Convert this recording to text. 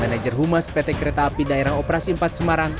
manager humas pt kereta api daerah operasi empat semarang